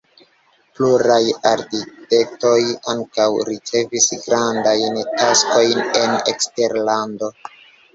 Pluraj arkitektoj ankaŭ ricevis grandajn taskojn en eksterlando.